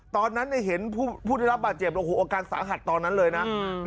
ตอนนั้นเห็นผู้ได้รับบาดเจ็บโอ้โหอาการสาหัสตอนนั้นเลยนะ